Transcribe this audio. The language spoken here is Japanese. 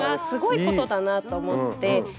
すごいことだなと思って。